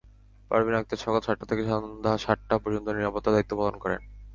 পারভীন আক্তার সকাল সাতটা থেকে সন্ধ্যা সাতটা পর্যন্ত নিরাপত্তার দায়িত্ব পালন করেন।